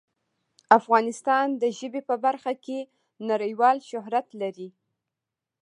افغانستان د ژبې په برخه کې نړیوال شهرت لري.